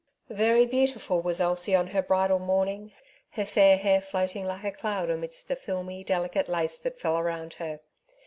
Very beautiful was Elsie on her bridal morn ing, her fair hair floating like a cloud amidst the filmy, delicate lace that fell around her.